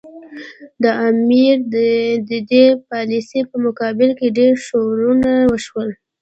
د امیر د دې پالیسي په مقابل کې ډېر ښورښونه وشول.